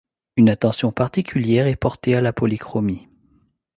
Une attention particulière est portée à la polychromie.